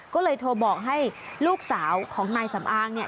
ก็เลยโทรบอกให้ลูกสาวของนายสำอางเนี่ย